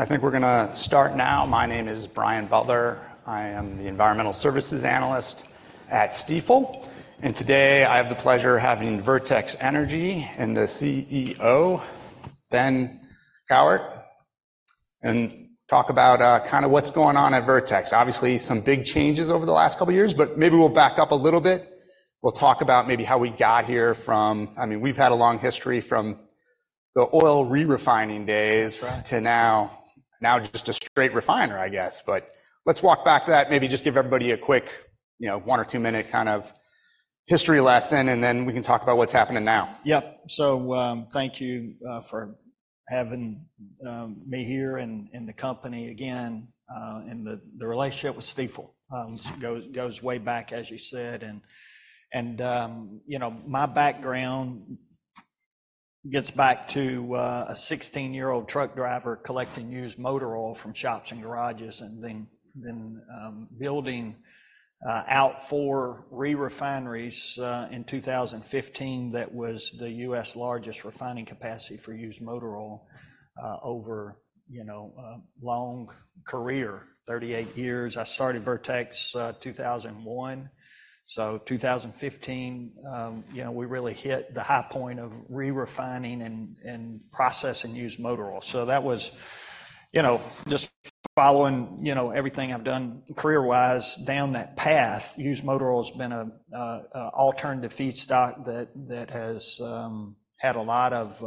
I think we're gonna start now. My name is Brian Butler. I am the environmental services analyst at Stifel, and today I have the pleasure of having Vertex Energy and the CEO, Ben Cowart, and talk about kind of what's going on at Vertex. Obviously, some big changes over the last couple of years, but maybe we'll back up a little bit. We'll talk about maybe how we got here from-- I mean, we've had a long history from the oil re-refining days- That's right. to now, now just a straight refiner, I guess. But let's walk back to that, maybe just give everybody a quick, you know, one- or two-minute kind of history lesson, and then we can talk about what's happening now. Yep. So, thank you for having me here and the company again, and the relationship with Stifel goes way back, as you said. And, you know, my background gets back to a 16-year-old truck driver collecting used motor oil from shops and garages and then building out 4 re-refineries. In 2015, that was the U.S. largest refining capacity for used motor oil, over, you know, a long career, 38 years. I started Vertex 2001. So 2015, you know, we really hit the high point of re-refining and processing used motor oil. So that was, you know, just following everything I've done career-wise down that path. Used motor oil has been an alternative feedstock that has had a lot of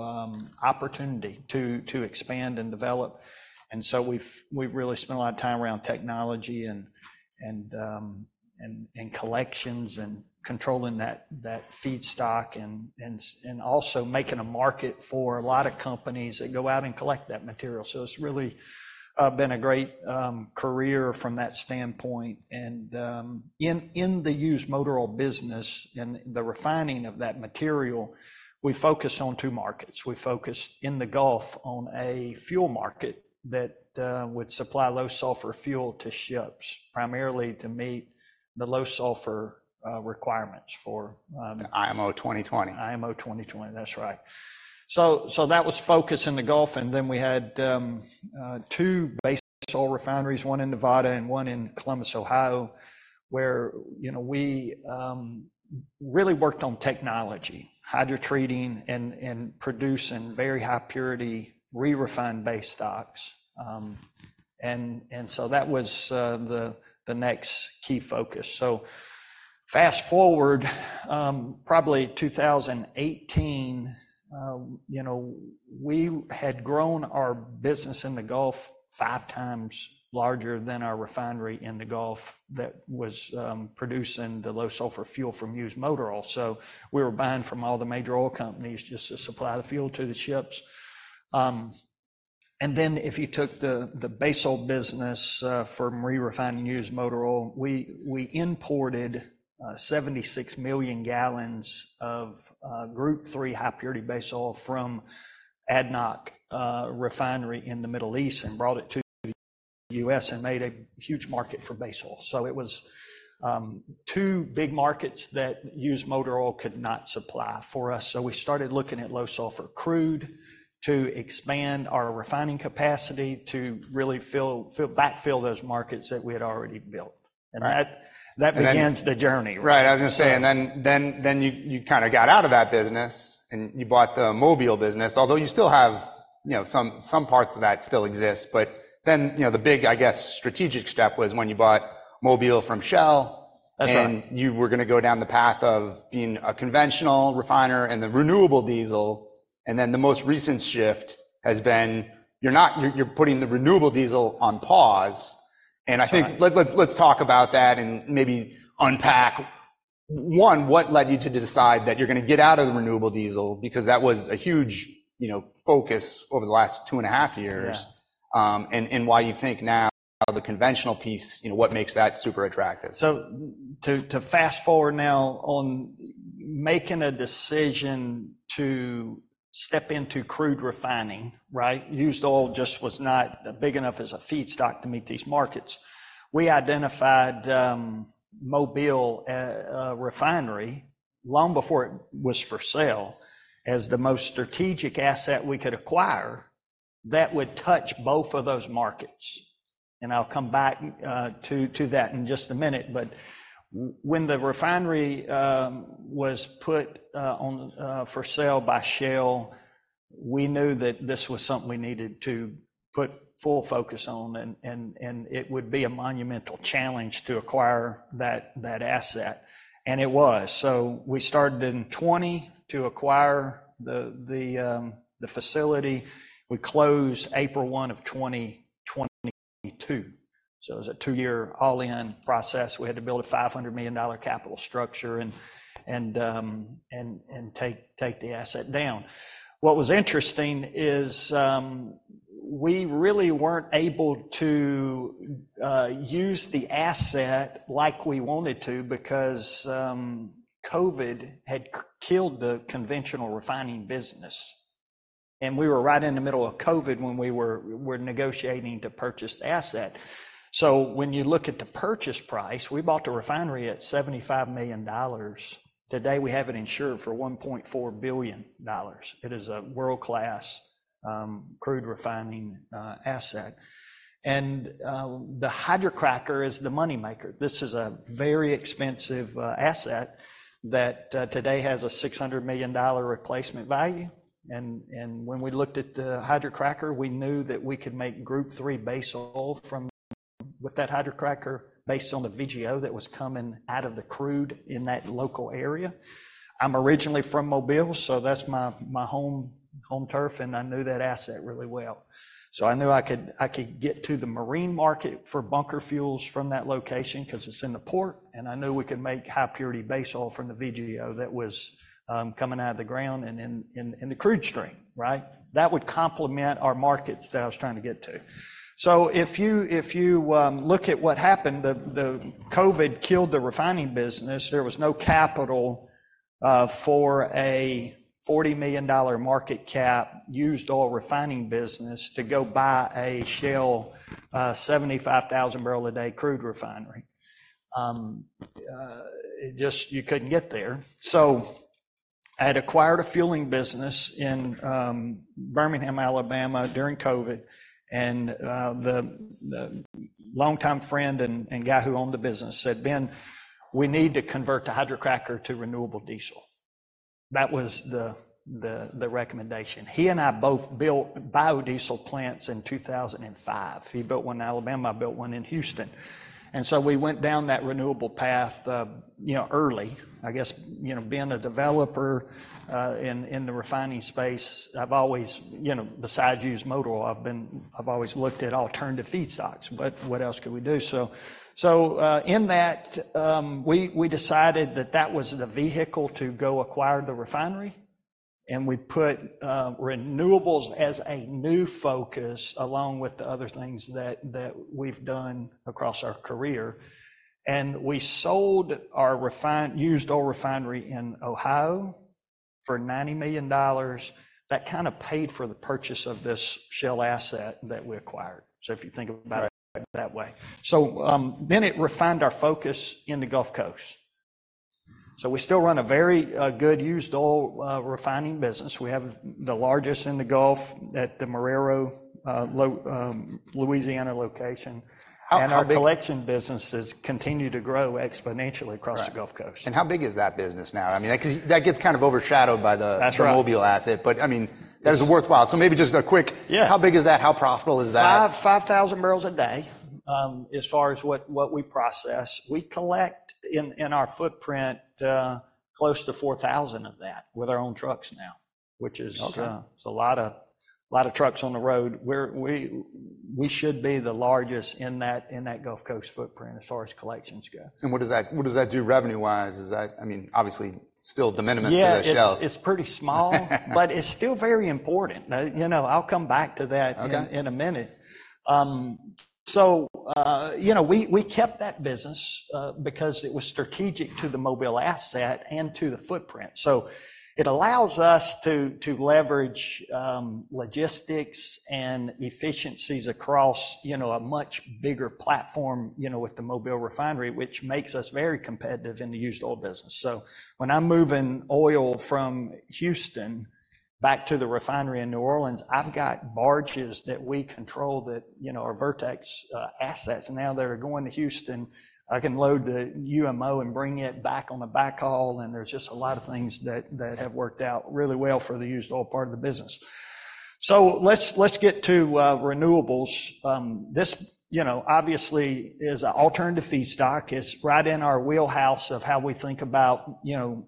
opportunity to expand and develop. And so we've really spent a lot of time around technology and collections and controlling that feedstock and also making a market for a lot of companies that go out and collect that material. So it's really been a great career from that standpoint. And in the used motor oil business and the refining of that material, we focus on two markets. We focus in the Gulf on a fuel market that would supply low sulfur fuel to ships, primarily to meet the low sulfur requirements for IMO 2020. IMO 2020. That's right. So that was focused in the Gulf, and then we had two base oil refineries, one in Nevada and one in Columbus, Ohio, where, you know, we really worked on technology, hydrotreating and producing very high purity, re-refined base stocks. And so that was the next key focus. So fast-forward, probably 2018, you know, we had grown our business in the Gulf five times larger than our refinery in the Gulf that was producing the low sulfur fuel from used motor oil. So we were buying from all the major oil companies just to supply the fuel to the ships. And then if you took the base oil business from re-refining used motor oil, we imported 76 million gallons of Group III high purity base oil from ADNOC refinery in the Middle East and brought it to the US and made a huge market for base oil. So it was two big markets that used motor oil could not supply for us. So we started looking at low sulfur crude to expand our refining capacity to really fill backfill those markets that we had already built. Right. And that begins the journey. Right. I was gonna say, and then you kind of got out of that business, and you bought the Mobile business, although you still have, you know, some parts of that still exist. But then, you know, the big, I guess, strategic step was when you bought Mobile from Shell. That's right. You were gonna go down the path of being a conventional refiner and the renewable diesel, and then the most recent shift has been you're putting the renewable diesel on pause. That's right. I think let's talk about that and maybe unpack one what led you to decide that you're gonna get out of the Renewable diesel? Because that was a huge, you know, focus over the last 2.5 years. Yeah. Why you think now, the conventional piece, you know, what makes that super attractive? So to fast-forward now on making a decision to step into crude refining, right? Used oil just was not big enough as a feedstock to meet these markets. We identified Mobile refinery long before it was for sale, as the most strategic asset we could acquire that would touch both of those markets. And I'll come back to that in just a minute. But when the refinery was put on for sale by Shell, we knew that this was something we needed to put full focus on, and it would be a monumental challenge to acquire that asset. And it was. So we started in 2020 to acquire the facility. We closed April 1st, 2022, so it was a two-year all-in process. We had to build a $500 million capital structure and take the asset down. What was interesting is, we really weren't able to use the asset like we wanted to because COVID had killed the conventional refining business, and we were right in the middle of COVID when we were negotiating to purchase the asset. So when you look at the purchase price, we bought the refinery at $75 million. Today, we have it insured for $1.4 billion. It is a world-class crude refining asset. And the hydrocracker is the money maker. This is a very expensive asset that today has a $600 million replacement value. When we looked at the hydrocracker, we knew that we could make Group III base oil from with that hydrocracker, based on the VGO that was coming out of the crude in that local area. I'm originally from Mobile, so that's my home turf, and I knew that asset really well. So I knew I could get to the marine market for bunker fuels from that location 'cause it's in the port, and I knew we could make high-purity base oil from the VGO that was coming out of the ground and in the crude stream, right? That would complement our markets that I was trying to get to. So if you look at what happened, the COVID killed the refining business. There was no capital for a $40 million market cap used oil refining business to go buy a Shell 75,000 barrel a day crude refinery. It just—you couldn't get there. So I had acquired a fueling business in Birmingham, Alabama, during COVID and the longtime friend and guy who owned the business said, "Ben, we need to convert the hydrocracker to renewable diesel." That was the recommendation. He and I both built biodiesel plants in 2005. He built one in Alabama; I built one in Houston. And so we went down that renewable path, you know, early. I guess, you know, being a developer in the refining space, I've always, you know, besides used motor oil, I've been—I've always looked at alternative feedstocks. But what else could we do? So in that we decided that was the vehicle to go acquire the refinery, and we put renewables as a new focus, along with the other things that we've done across our career. And we sold our used oil refinery in Ohio for $90 million. That kind of paid for the purchase of this Shell asset that we acquired. So if you think about it that way. So then it refined our focus in the Gulf Coast. So we still run a very good used oil refining business. We have the largest in the Gulf at the Marrero, Louisiana location. How big? Our collection businesses continue to grow exponentially across the Gulf Coast. Right. And how big is that business now? I mean, 'cause that gets kind of overshadowed by the- That's right. -Mobile asset, but, I mean, that is worthwhile. So maybe just a quick- Yeah. How big is that? How profitable is that? 5,000 barrels a day, as far as what we process. We collect in our footprint close to 4,000 of that with our own trucks now, which is- Okay. It's a lot of trucks on the road. We should be the largest in that Gulf Coast footprint as far as collections go. What does that do revenue-wise? Is that... I mean, obviously, still de minimis to the Shell. Yeah, it's, it's pretty small, but it's still very important. Now, you know, I'll come back to that- Okay... in a minute. So, you know, we kept that business because it was strategic to the Mobile asset and to the footprint. So it allows us to leverage logistics and efficiencies across, you know, a much bigger platform, you know, with the Mobile Refinery, which makes us very competitive in the used oil business. So when I'm moving oil from Houston back to the refinery in New Orleans, I've got barges that we control that, you know, are Vertex assets. Now they're going to Houston. I can load the UMO and bring it back on the back haul, and there's just a lot of things that have worked out really well for the used oil part of the business. So let's get to renewables. This, you know, obviously is an alternative feedstock. It's right in our wheelhouse of how we think about, you know,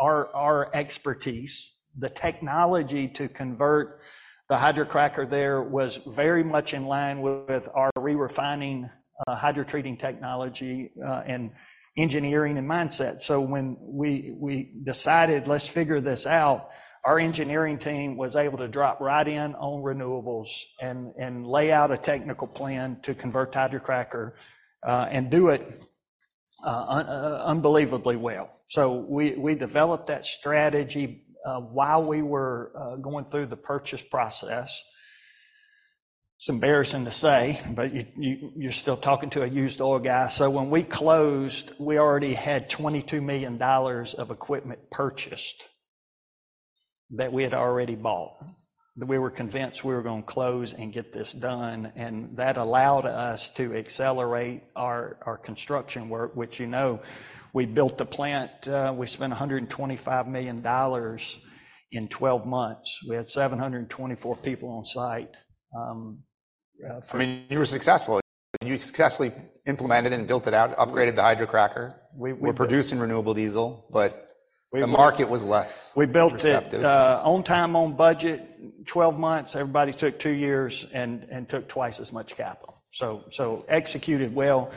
our, our expertise. The technology to convert the hydrocracker there was very much in line with our re-refining, hydrotreating technology, and engineering and mindset. So when we, we decided, "Let's figure this out," our engineering team was able to drop right in on renewables and, and lay out a technical plan to convert hydrocracker, and do it, unbelievably well. So we, we developed that strategy, while we were, going through the purchase process. It's embarrassing to say, but you, you, you're still talking to a used oil guy. So when we closed, we already had $22 million of equipment purchased that we had already bought. We were convinced we were gonna close and get this done, and that allowed us to accelerate our construction work, which, you know, we built the plant. We spent $125 million in 12 months. We had 724 people on site, for- I mean, you were successful. You successfully implemented it and built it out, upgraded the hydrocracker. We, we- We're producing renewable diesel, but- We- The market was less- We built it- -receptive... on time, on budget, 12 months. Everybody took 2 years and took twice as much capital. So executed well,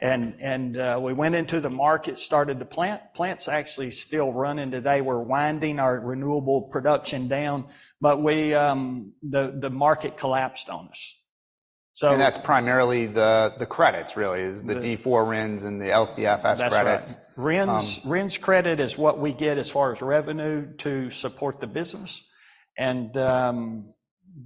and we went into the market, started the plant. Plant's actually still running today. We're winding our renewable production down, but we, the market collapsed on us. So- That's primarily the credits, really. The- The D4 RINs and the LCFS credits. That's right. Um- RINs credit is what we get as far as revenue to support the business, and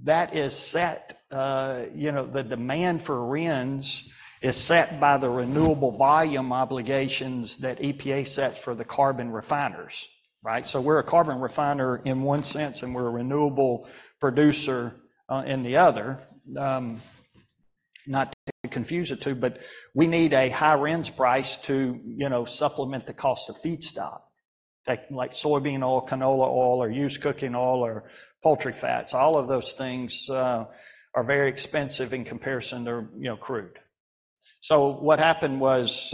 that is set, you know, the demand for RINs is set by the renewable volume obligations that EPA sets for the carbon refiners, right? So we're a carbon refiner in one sense, and we're a renewable producer in the other. Not to confuse the two, but we need a high RINs price to, you know, supplement the cost of feedstock, like soybean oil, canola oil, or used cooking oil, or poultry fats. All of those things are very expensive in comparison to, you know, crude. So what happened was,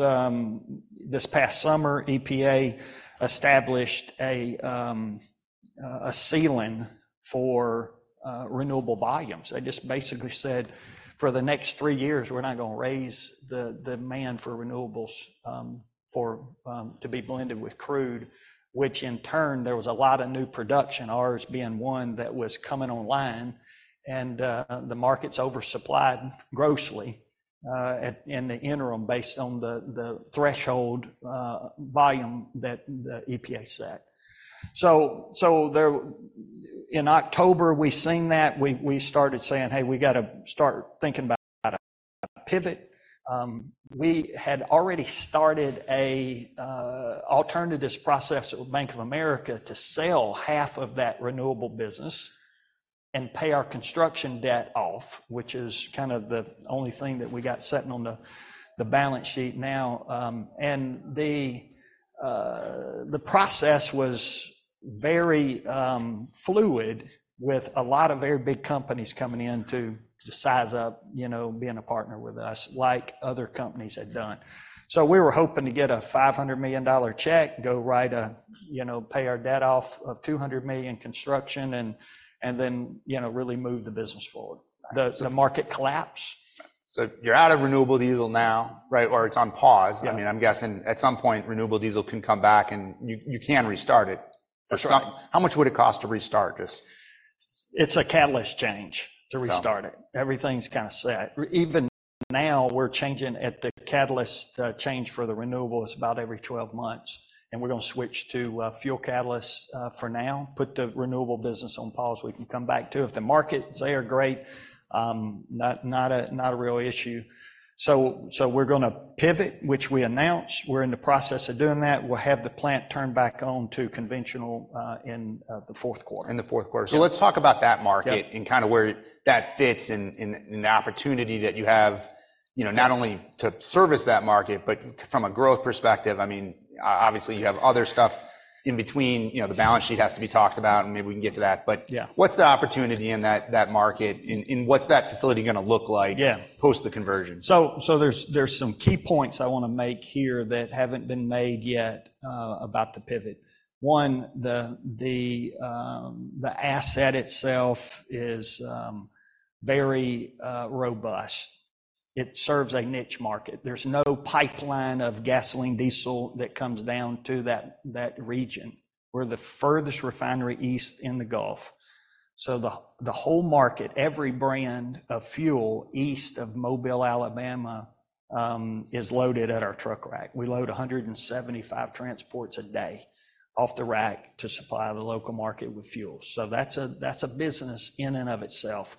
this past summer, EPA established a ceiling for renewable volumes. They just basically said, "For the next three years, we're not gonna raise the demand for renewables to be blended with crude," which in turn, there was a lot of new production, ours being one that was coming online. And the market's oversupplied grossly in the interim based on the threshold volume that the EPA set. In October, we seen that. We started saying: "Hey, we gotta start thinking about a pivot." We had already started an alternative process with Bank of America to sell half of that renewable business and pay our construction debt off, which is kind of the only thing that we got sitting on the balance sheet now. And the process was very fluid, with a lot of very big companies coming in to size up, you know, being a partner with us, like other companies had done. So we were hoping to get a $500 million check, go right, you know, pay our debt off of $200 million in construction and then, you know, really move the business forward. The market collapsed. You're out of renewable diesel now, right? Or it's on pause. Yeah. I mean, I'm guessing at some point, renewable diesel can come back, and you, you can restart it. For sure. How much would it cost to restart this? It's a catalyst change to restart it. Okay. Everything's kind of set. Even now, we're changing at the catalyst change for the renewable is about every 12 months, and we're gonna switch to fuel catalyst for now, put the renewable business on pause. We can come back to it. If the markets they are great, not a real issue. So we're gonna pivot, which we announced. We're in the process of doing that. We'll have the plant turned back on to conventional in the fourth quarter. In the fourth quarter. So let's talk about that market- Yeah... and kinda where that fits in the opportunity that you have, you know, not only to service that market, but from a growth perspective. I mean, obviously you have other stuff in between. You know, the balance sheet has to be talked about, and maybe we can get to that. Yeah. But what's the opportunity in that market, and what's that facility gonna look like? Yeah... post the conversion? So there's some key points I wanna make here that haven't been made yet about the pivot. One, the asset itself is very robust. It serves a niche market. There's no pipeline of gasoline diesel that comes down to that region. We're the furthest refinery east in the Gulf. So the whole market, every brand of fuel east of Mobile, Alabama, is loaded at our truck rack. We load 175 transports a day off the rack to supply the local market with fuel. So that's a business in and of itself.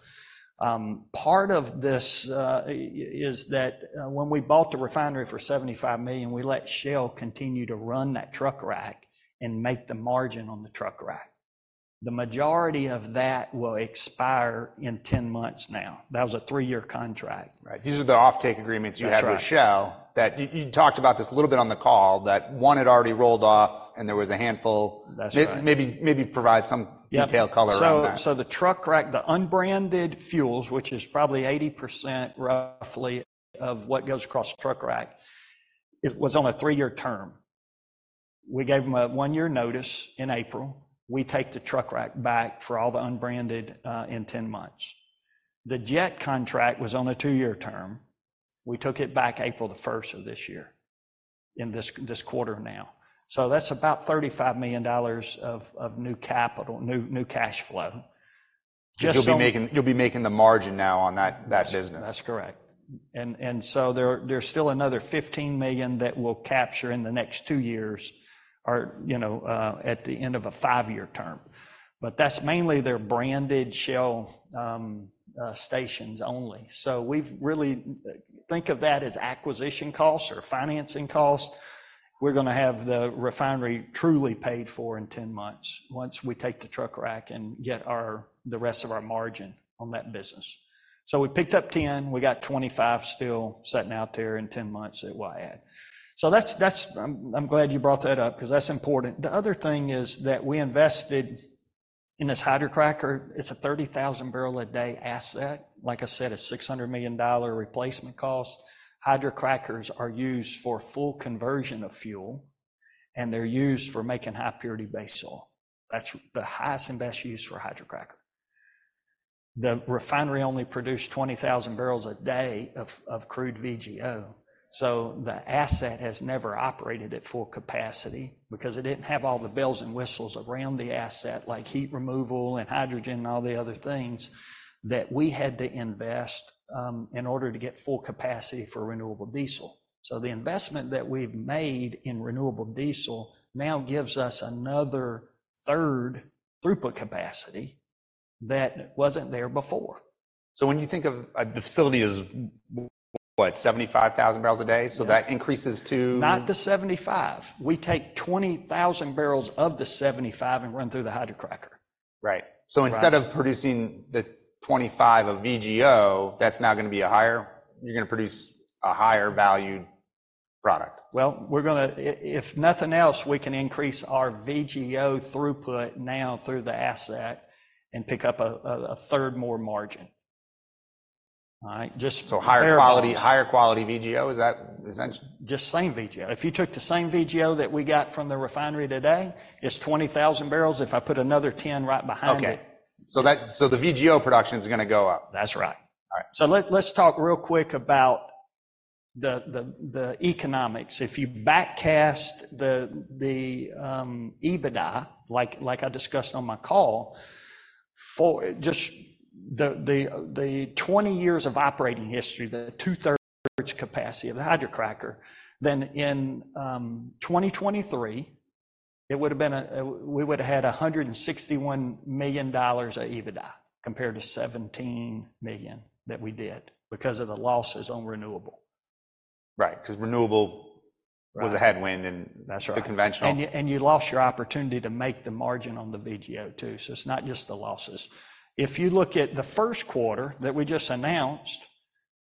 Part of this is that when we bought the refinery for $75 million, we let Shell continue to run that truck rack and make the margin on the truck rack. The majority of that will expire in 10 months now. That was a 3-year contract. Right. These are the offtake agreements- That's right ...you had with Shell. You talked about this a little bit on the call, that one had already rolled off, and there was a handful. That's right. Maybe provide some- Yeah... detailed color around that. So, so the truck rack, the unbranded fuels, which is probably 80% roughly of what goes across the truck rack, it was on a 3-year term. We gave them a 1-year notice in April. We take the truck rack back for all the unbranded in 10 months. The jet contract was on a 2-year term. We took it back April the first of this year, in this quarter now. So that's about $35 million of new capital, new cash flow. Just so- You'll be making the margin now on that business. That's correct. And so there's still another $15 million that we'll capture in the next 2 years or, you know, at the end of a 5-year term. But that's mainly their branded Shell stations only. So we've really. Think of that as acquisition costs or financing costs. We're gonna have the refinery truly paid for in 10 months, once we take the truck rack and get the rest of our margin on that business. So we picked up 10. We got 25 still sitting out there in 10 months at awaiting. So that's. I'm glad you brought that up 'cause that's important. The other thing is that we invested in this hydrocracker. It's a 30,000-barrel-a-day asset. Like I said, it's $600 million replacement cost. Hydrocrackers are used for full conversion of fuel, and they're used for making high-purity base oil. That's the highest and best use for a hydrocracker. The refinery only produced 20,000 barrels a day of crude VGO, so the asset has never operated at full capacity because it didn't have all the bells and whistles around the asset, like heat removal and hydrogen, and all the other things that we had to invest in order to get full capacity for renewable diesel. So the investment that we've made in renewable diesel now gives us another third throughput capacity... that wasn't there before. So when you think of the facility, is what, 75,000 barrels a day? Yeah. That increases to? Not the 75. We take 20,000 barrels of the 75 and run through the hydrocracker. Right. Right. So instead of producing the 25 of VGO, that's now gonna be a higher-- You're gonna produce a higher value product? Well, we're gonna, if nothing else, we can increase our VGO throughput now through the asset and pick up a third more margin. All right? Just- So higher quality, higher quality VGO, is that, is that— Just same VGO. If you took the same VGO that we got from the refinery today, it's 20,000 barrels. If I put another 10 right behind it- Okay. So the VGO production is gonna go up? That's right. All right. So let's talk real quick about the economics. If you back cast the EBITDA, like I discussed on my call, for just the 20 years of operating history, the two-thirds capacity of the hydrocracker, then in 2023, it would have been a—we would have had $161 million of EBITDA compared to $17 million that we did, because of the losses on renewable. Right, 'cause renewable- Right was a headwind, and That's right... the conventional. And you, and you lost your opportunity to make the margin on the VGO, too. So it's not just the losses. If you look at the first quarter that we just announced,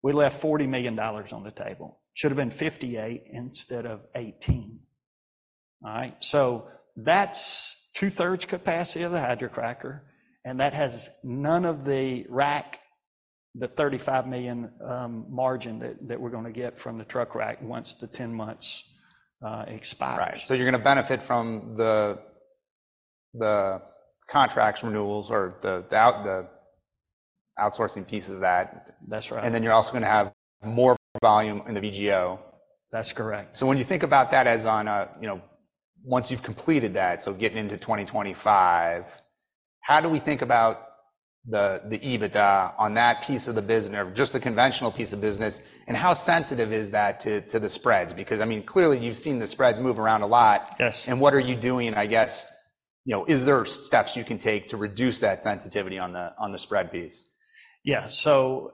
we left $40 million on the table. Should have been 58 instead of 18. All right? So that's two-thirds capacity of the hydrocracker, and that has none of the rack, the $35 million, margin that, that we're gonna get from the truck rack once the 10 months expires. Right. So you're gonna benefit from the contracts renewals or the outsourcing piece of that? That's right. You're also gonna have more volume in the VGO. That's correct. So when you think about that, you know, once you've completed that, so getting into 2025, how do we think about the EBITDA on that piece of the business or just the conventional piece of business, and how sensitive is that to the spreads? Because, I mean, clearly, you've seen the spreads move around a lot. Yes. What are you doing, I guess, you know, is there steps you can take to reduce that sensitivity on the, on the spread piece? Yeah. So,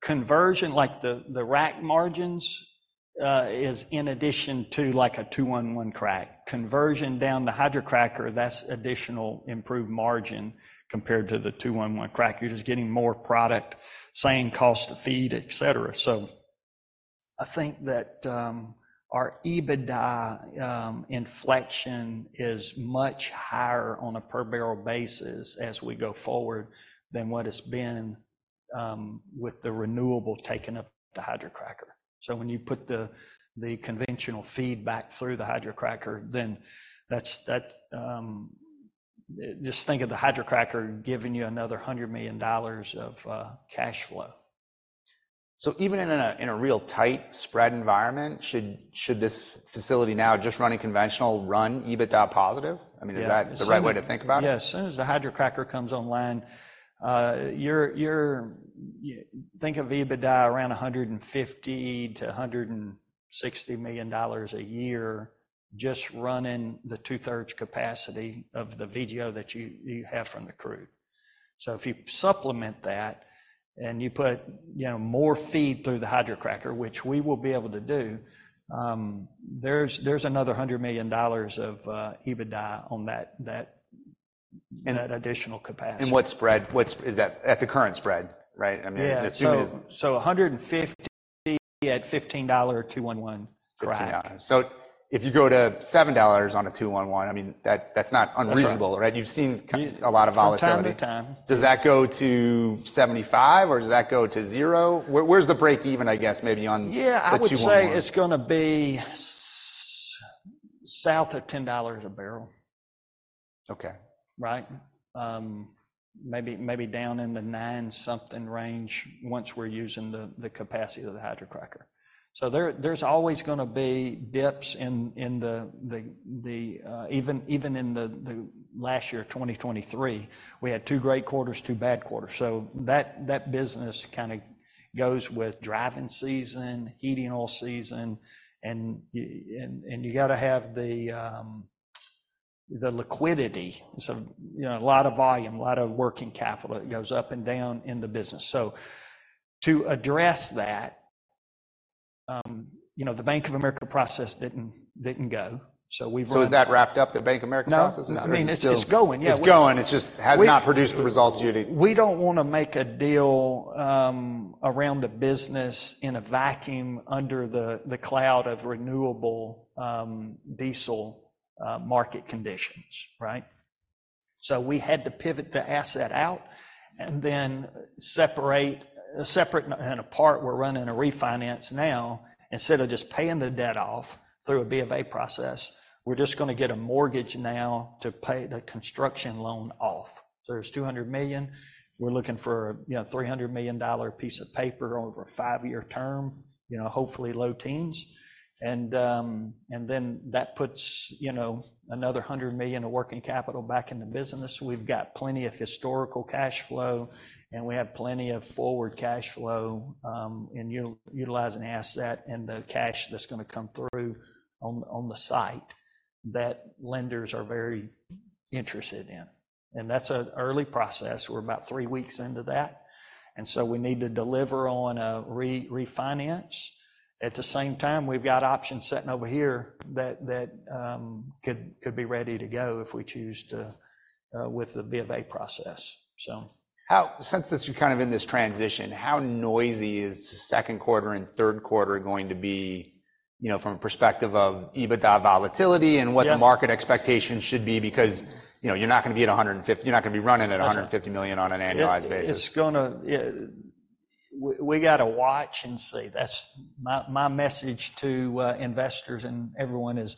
conversion, like, the rack margins, is in addition to, like, a 2:1:1 crack. Conversion down the hydrocracker, that's additional improved margin compared to the 2:1:1 crack. You're just getting more product, same cost to feed, et cetera. So I think that, our EBITDA inflection is much higher on a per barrel basis as we go forward than what it's been, with the renewable taking up the hydrocracker. So when you put the conventional feed back through the hydrocracker, then that's... Just think of the hydrocracker giving you another $100 million of cash flow. So even in a real tight spread environment, should this facility, now just running conventional, run EBITDA positive? Yeah. I mean, is that the right way to think about it? Yes. As soon as the hydrocracker comes online, you think of EBITDA around $150 million-$160 million a year, just running the two-thirds capacity of the VGO that you have from the crude. So if you supplement that, and you put, you know, more feed through the hydrocracker, which we will be able to do, there's another $100 million of EBITDA on that, that- And- and additional capacity. What spread? Is that at the current spread, right? I mean- Yeah. Assuming- So, 150 at $15 or 2:1:1 crack. Yeah. So if you go to $7 on a 2:1:1, I mean, that, that's not unreasonable- That's right... right? You've seen a lot of volatility. From time to time. Does that go to 75 or does that go to zero? Where, where's the break even, I guess, maybe on the- Yeah- The 2:1:1... I would say it's gonna be south of $10 a barrel. Okay. Right? Maybe down in the nine-something range once we're using the capacity of the hydrocracker. So there's always gonna be dips in the even in the last year, 2023, we had two great quarters, two bad quarters. So that business kinda goes with driving season, heating oil season, and you got to have the liquidity. So, you know, a lot of volume, a lot of working capital that goes up and down in the business. So to address that, you know, the Bank of America process didn't go, so we've- Is that wrapped up, the Bank of America process? No. Or it's still- I mean, it's, it's going. Yeah- It's going. It's just- We- has not produced the results you need. We don't wanna make a deal around the business in a vacuum under the cloud of renewable diesel market conditions, right? So we had to pivot the asset out and then separate and apart, we're running a refinance now. Instead of just paying the debt off through a B of A process, we're just gonna get a mortgage now to pay the construction loan off. So there's $200 million. We're looking for, you know, $300 million dollar piece of paper over a 5-year term, you know, hopefully low teens. And then that puts, you know, another $100 million of working capital back in the business. We've got plenty of historical cash flow, and we have plenty of forward cash flow in utilizing the asset and the cash that's gonna come through on the site that lenders are very interested in, and that's an early process. We're about 3 weeks into that, and so we need to deliver on a re-refinance. At the same time, we've got options sitting over here that could be ready to go if we choose to with the B of A process. So- Since this, you're kind of in this transition, how noisy is the second quarter and third quarter going to be, you know, from a perspective of EBITDA volatility? Yeah... and what the market expectations should be? Because, you know, you're not gonna be at 150-- You're not gonna be running at- That's right... $150 million on an annualized basis. It's gonna. We gotta watch and see. That's my message to investors and everyone is,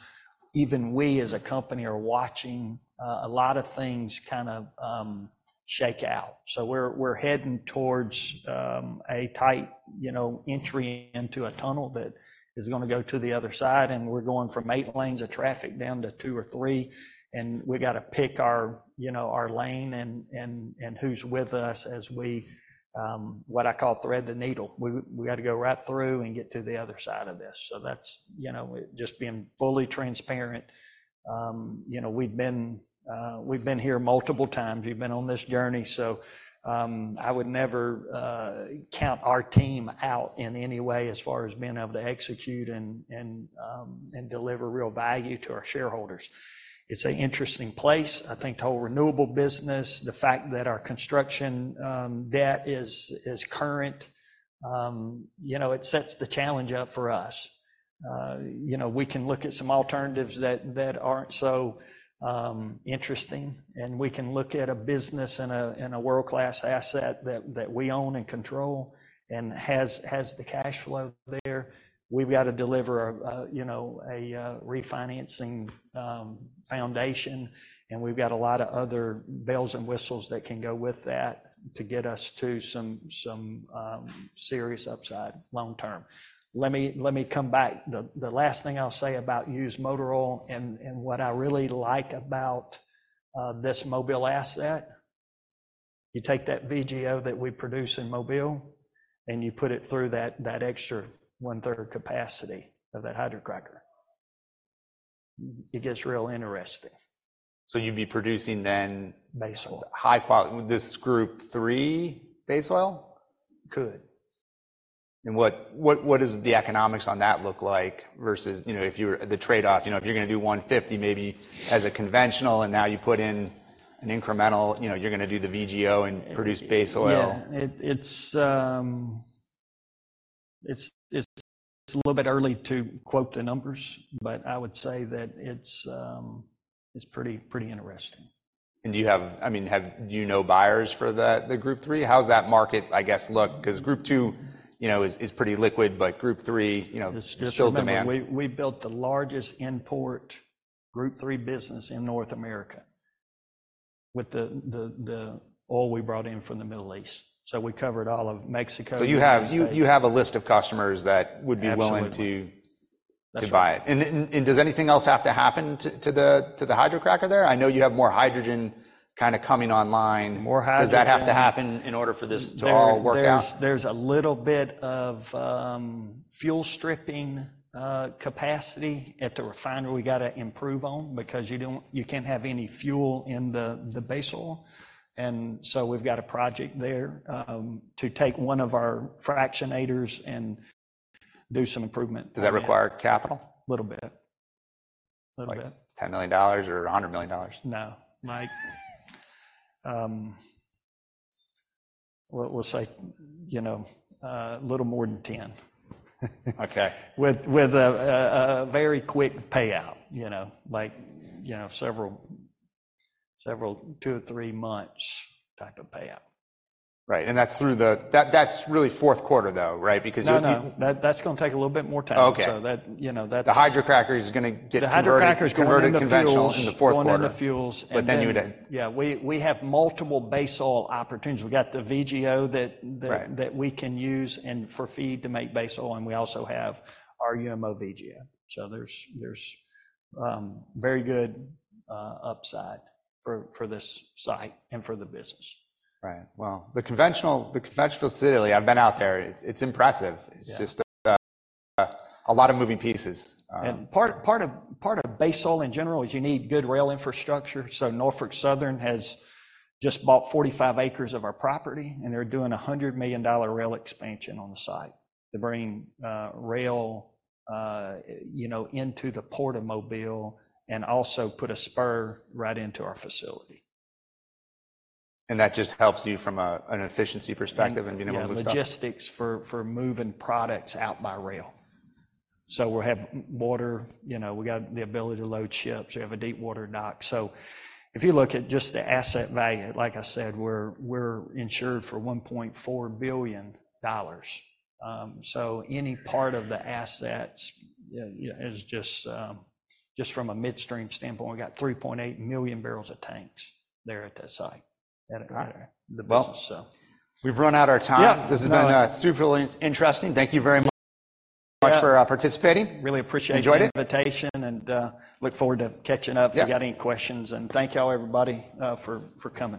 even we as a company are watching a lot of things kind of shake out. So we're heading towards a tight, you know, entry into a tunnel that is gonna go to the other side, and we're going from eight lanes of traffic down to two or three, and we've got to pick our, you know, our lane, and who's with us as we what I call thread the needle. We gotta go right through and get to the other side of this. So that's, you know, just being fully transparent. You know, we've been here multiple times. We've been on this journey, so, I would never count our team out in any way as far as being able to execute and deliver real value to our shareholders. It's an interesting place. I think the whole renewable business, the fact that our construction debt is current, you know, it sets the challenge up for us. You know, we can look at some alternatives that aren't so interesting, and we can look at a business and a world-class asset that we own and control and has the cash flow there. We've got to deliver a, you know, a refinancing foundation, and we've got a lot of other bells and whistles that can go with that to get us to some serious upside long term. Let me come back. The last thing I'll say about used motor oil and what I really like about this Mobile asset, you take that VGO that we produce in Mobile, and you put it through that extra one-third capacity of that hydrocracker. It gets real interesting. So you'd be producing then- Base oil. High quality this Group III base oil? Could. What does the economics on that look like versus, you know, if you were the trade-off? You know, if you're gonna do $150 maybe as a conventional, and now you put in an incremental, you know, you're gonna do the VGO and produce base oil. Yeah. It's a little bit early to quote the numbers, but I would say that it's pretty interesting. Do you have, I mean, do you know buyers for the Group III? How does that market, I guess, look? Because Group II, you know, is pretty liquid, but Group III, you know, there's still demand. Just remember, we built the largest import Group III business in North America with the oil we brought in from the Middle East, so we covered all of Mexico and the States. So you have a list of customers that would be willing to- Absolutely... to buy it. That's right. And does anything else have to happen to the hydrocracker there? I know you have more hydrogen kind of coming online. More hydrogen. Does that have to happen in order for this to all work out? There's a little bit of fuel stripping capacity at the refinery we got to improve on because you can't have any fuel in the base oil. And so we've got a project there to take one of our fractionators and do some improvement. Does that require capital? Little bit. Little bit. Like $10 million or $100 million? No. Like, we'll say, you know, little more than 10. Okay. With a very quick payout, you know, like, you know, several 2 or 3 months type of payout. Right. And that's really fourth quarter, though, right? Because- No, no. That, that's gonna take a little bit more time. Okay. So that, you know, that's- The Hydrocracker is gonna get converted- The hydrocracker is going in the fuels.... converted to conventional in the fourth quarter. Going in the fuels, and then- But then you would- Yeah, we have multiple base oil opportunities. We've got the VGO that- Right... that we can use and for feed to make base oil, and we also have our UMO VGO. So there's very good upside for this site and for the business. Right. Well, the conventional, the conventional facility, I've been out there, it's, it's impressive. Yeah. It's just a lot of moving pieces. Part of base oil in general is you need good rail infrastructure. So Norfolk Southern has just bought 45 acres of our property, and they're doing a $100 million rail expansion on the site to bring rail, you know, into the port of Mobile and also put a spur right into our facility. That just helps you from an efficiency perspective and being able to move stuff? Yeah, logistics for moving products out by rail. So we'll have water. You know, we got the ability to load ships. We have a deep water dock. So if you look at just the asset value, like I said, we're insured for $1.4 billion. So any part of the assets, you know, is just from a midstream standpoint, we got 3.8 million barrels of tanks there at that site. Got it... the business, so. We've run out our time. Yeah. This has been super interesting. Thank you very much for participating. Really appreciate- Enjoyed it... the invitation and, look forward to catching up- Yeah... if you got any questions, and thank you all, everybody, for coming.